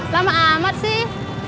lama amat sih